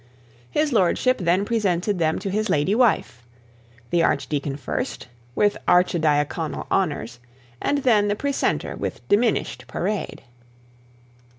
His lordship then presented them to his lady wife; the archdeacon first, with archidiaconal honours, and then the precentor with diminished parade.